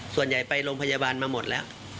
ส่วนใหญ่ไปโรงพยาบาลมาหมดแล้ว